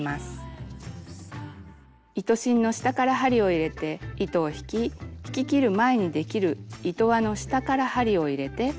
糸芯の下から針を入れて糸を引き引ききる前にできる糸輪の下から針を入れて引き締める。